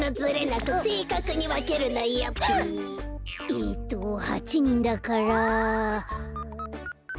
えっと８にんだから。